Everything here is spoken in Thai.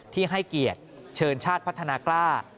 ที่ให้เกียรติเชิญชาติพัฒนากล้า